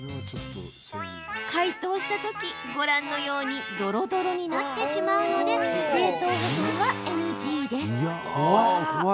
解凍したときに、ご覧のようにドロドロになってしまうので冷凍保存はＮＧです。